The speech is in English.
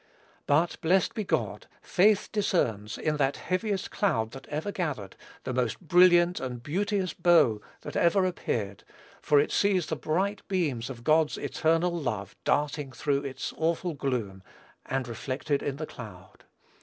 But, blessed be God, faith discerns, in that heaviest cloud that ever gathered, the most brilliant and beauteous bow that ever appeared; for it sees the bright beams of God's eternal love darting through the awful gloom, and reflected in the cloud.